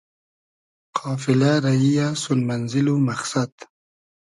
قافیلۂ ریی یۂ سون مئنزېل و مئخسئد